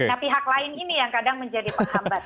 nah pihak lain ini yang kadang menjadi penghambat